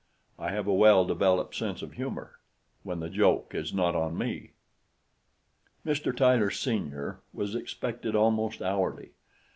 I have a well developed sense of humor when the joke is not on me. Mr. Tyler, Sr., was expected almost hourly.